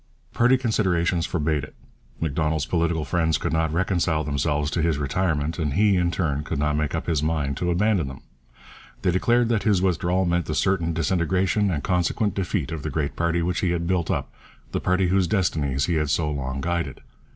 Party considerations forbade it. Macdonald's political friends could not reconcile themselves to his retirement, and he, in turn, could not make up his mind to abandon them. They declared that his withdrawal meant the certain disintegration and consequent defeat of the great party which he had built up, the party whose destinies he had so long guided.